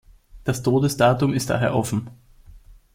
Das Todesdatum ist daher offen.